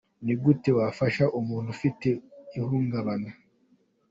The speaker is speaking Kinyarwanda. Ni gute wafasha umuntu ufite ihungabana ?.